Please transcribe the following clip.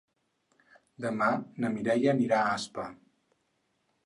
Demà na Mireia anirà a Aspa.